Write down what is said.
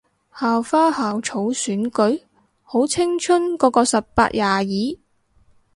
校花校草選舉？好青春個個十八廿二